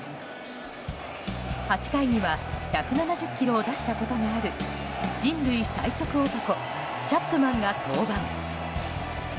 ８回には１７０キロを出したことがある人類最速男チャップマンが登板。